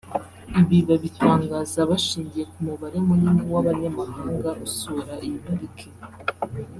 Ibi babitangaza bashingiye ku mubare munini w’abanyamahanga usura iyi parike